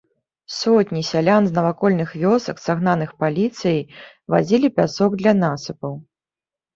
Сотні сялян з навакольных вёсак, сагнаных паліцыяй, вазілі пясок для насыпаў.